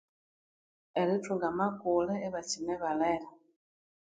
Erithunga amakule ibakyine balere